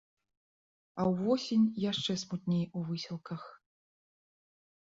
А ўвосень яшчэ смутней у выселках.